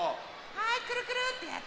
はいくるくるってやって。